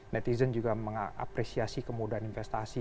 netizen juga mengapresiasi kemudahan investasi